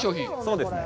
そうです。